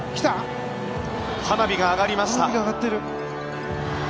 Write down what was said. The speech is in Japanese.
花火が上がりました！